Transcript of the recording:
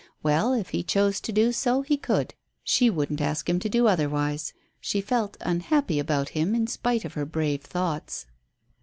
Well, if he chose to do so he could. She wouldn't ask him to do otherwise. She felt unhappy about him in spite of her brave thoughts.